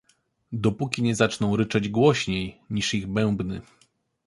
Dopóki nie zaczną ryczeć głośniej, niż ich bębny.